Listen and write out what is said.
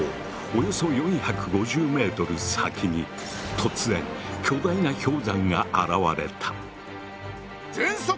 およそ４５０ｍ先に突然巨大な氷山が現れた。